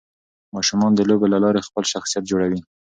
ماشومان د لوبو له لارې خپل شخصيت جوړوي.